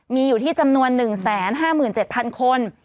มีอยู่ที่จำนวน๑๕๗๐๐คน